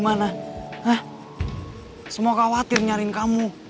gimana hah semua khawatir nyariin kamu